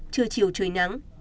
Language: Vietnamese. trưa chiều trời nắng